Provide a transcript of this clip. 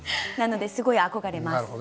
なのですごい憧れます。